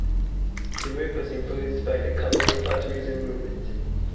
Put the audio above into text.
The group was influenced by the Cubo-Futurism movement.